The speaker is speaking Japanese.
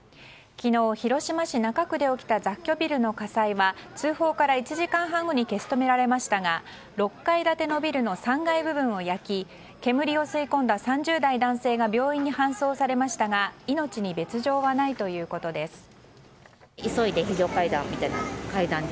昨日、広島市中区で起きた雑居ビルの火災は通報から１時間半後に消し止められましたが６階建てのビルの３階部分を焼き煙を吸いこんだ３０代男性が病院に搬送されましたが命に別条はないということです。